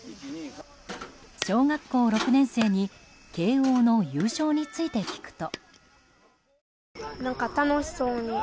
小学校６年生に慶応の優勝について聞くと。